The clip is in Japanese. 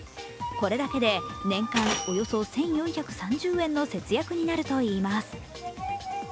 これだけで年間およそ１４３０円の節約になるといいます。